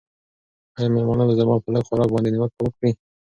آیا مېلمانه به زما په لږ خوراک باندې نیوکه وکړي؟